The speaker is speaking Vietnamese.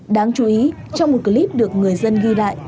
đáng chú ý trong một clip được người dân ghi lại